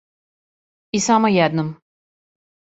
И само једном.